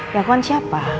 ya aku kan siapa